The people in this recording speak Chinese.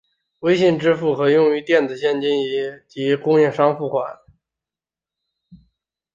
微信支付可用于电子现金以及供应商付款。